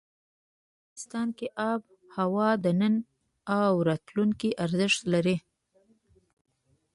افغانستان کې آب وهوا د نن او راتلونکي ارزښت لري.